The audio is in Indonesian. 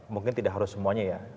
mungkin tidak harus semuanya ya